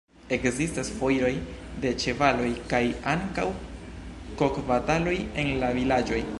Ekzistas foiroj de ĉevaloj kaj ankaŭ kok-bataloj en la vilaĝoj.